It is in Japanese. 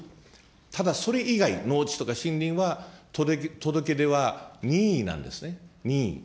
ただそれ以外、農地とか森林は届け出は任意なんですね、任意。